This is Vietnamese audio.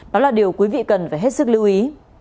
đó là điều quý vị cần phải hết sức lưu ý